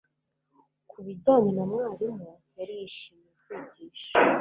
ku bijyanye na mwarimu, yari yishimiye kwigisha